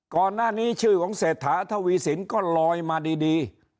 ก่อนหน้านี้ชื่อของเศรษฐาทวีสินก็ลอยมาดี